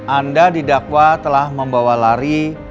anda didakwa telah membawa lari